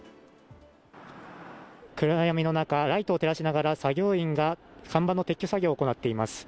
暗闇の中、ライトを照らしながら作業員が看板の撤去作業を行っています。